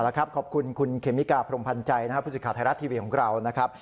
แล้วครับขอบคุณคุณเคมิกาพรมพันธ์ใจผู้สิทธิ์ขาดไทยรัฐทีวีของเรา